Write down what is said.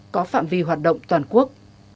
có phạm vi hoạt động toàn quốc